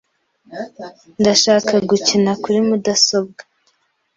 Ndashaka gukina kuri mudasobwa .